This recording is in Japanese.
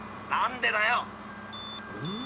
なんでだよ。